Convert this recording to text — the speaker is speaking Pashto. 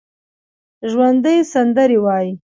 ژوندي سندرې وايي